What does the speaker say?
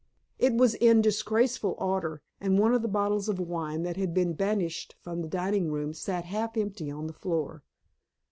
It was in disgraceful order, and one of the bottles of wine that had ben banished from the dining room sat half empty on the floor.